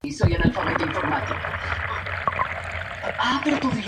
Virreinato del Cáucaso